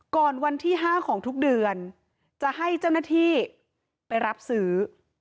ก่อนวันที่๕ของทุกเดือนจะให้เจ้าหน้าที่ไปรับซื้อ